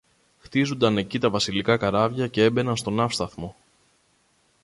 χτίζουνταν εκεί τα βασιλικά καράβια κι έμπαιναν στο ναύσταθμο.